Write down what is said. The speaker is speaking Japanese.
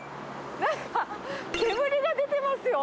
なんか煙が出てますよ。